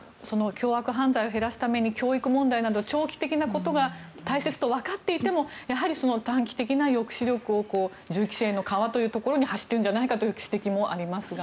凶悪犯罪を減らすために教育問題など長期的なことが大切とわかっていてもやはり短期的な抑止力を銃規制の緩和ってところに走っているんじゃないかという指摘もありますが。